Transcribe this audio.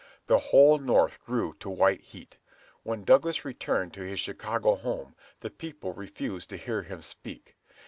The whole North grew to white heat. When Douglas returned to his Chicago home the people refused to hear him speak.